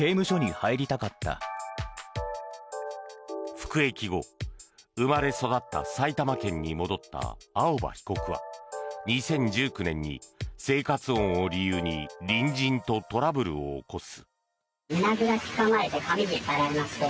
服役後生まれ育った埼玉県に戻った青葉被告は２０１９年に生活音を理由に隣人とトラブルを起こす。